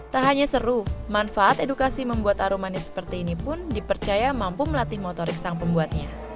tak hanya seru manfaat edukasi membuat aru manis seperti ini pun dipercaya mampu melatih motorik sang pembuatnya